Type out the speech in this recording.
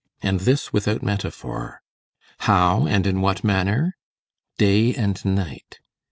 And this without metaphor. How, and in what manner? Day and night.